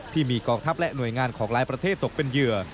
ที่มีกองทัพและหน่วยงานของหลายประเทศตกเป็นเหยื่อ